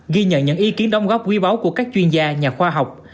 ghi nhận những ý kiến đóng góp quý báu của các chuyên gia nhà khoa học